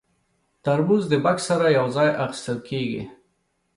ترموز د بکس سره یو ځای اخیستل کېږي.